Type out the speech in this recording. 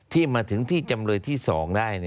ที่มาถึงที่จำนวนที่สองได้